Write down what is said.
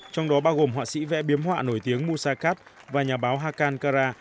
trong đó bao gồm họa sĩ vẽ biếm họa nổi tiếng musa kat và nhà báo hakan kara